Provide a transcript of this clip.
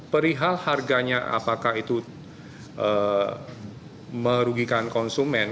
perihal harganya apakah itu merugikan konsumen